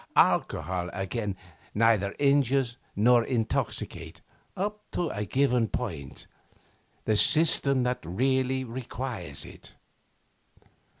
Alcohol, again, neither injures nor intoxicates up to a given point the system that really requires it.